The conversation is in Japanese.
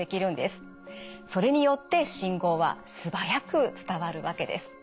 それによって信号は素早く伝わるわけです。